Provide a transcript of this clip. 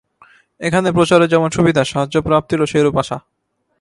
এখানে প্রচারের যেমন সুবিধা, সাহায্যপ্রাপ্তিরও সেইরূপ আশা।